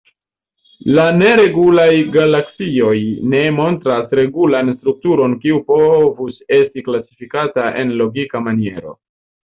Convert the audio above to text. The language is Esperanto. La neregulaj galaksioj ne montras regulan strukturon kiu povus esti klasifikata en logika maniero.